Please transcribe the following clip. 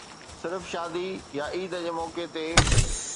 صرف شادي يا عيد جي موقعي تي